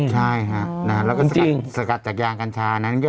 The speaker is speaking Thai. ใช่ฮะแล้วก็สิ่งสกัดจากยางกัญชานั้น